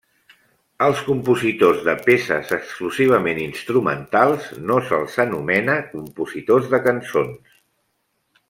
Als compositors de peces exclusivament instrumentals no se'ls anomena compositors de cançons.